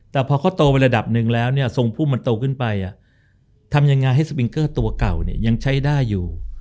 แต่พอเขาโตไประดับหนึ่งแล้วเนี่ยทรงภูมิมันโตขึ้นไปทำยังไงให้สปิงเกอร์ตัวเก่าเนี่ยยังใช้ได้อยู่